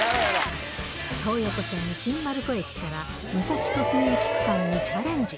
東横線新丸子駅から武蔵小杉駅区間のチャレンジ。